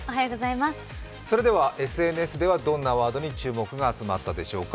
それではＳＮＳではどんなワードに注目が集まったでしょうか。